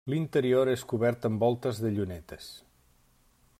L'interior és cobert amb voltes de llunetes.